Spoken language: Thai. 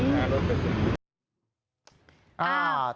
ยังไม่รู้ว่ารถมันเต็มไหม